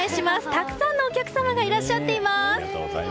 たくさんのお客様がいらっしゃっています！